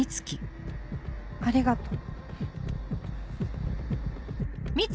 ありがとう。